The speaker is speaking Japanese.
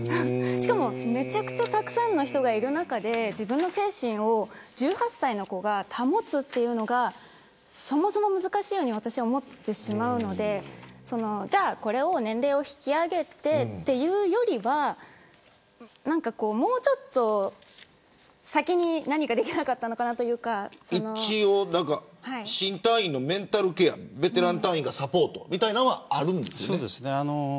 しかも、めちゃくちゃたくさんの人がいる中で自分の精神を１８歳の子が保つというのがそもそも難しいように思ってしまうので年齢を引き上げてというよりはもうちょっと先に何かできなかったのかなというか新隊員のメンタルケアはベテラン隊員がサポートみたいなのはあるんですよね。